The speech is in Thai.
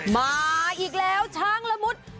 มาอีกแล้วช้างละมุด